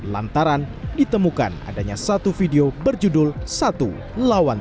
lantaran ditemukan adanya satu video berjudul satu lawan tiga